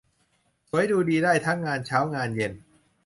สวยดูดีได้ทั้งงานเช้างานเย็น